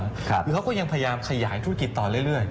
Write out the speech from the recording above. คือเขาก็ยังพยายามขยายธุรกิจต่อเรื่อย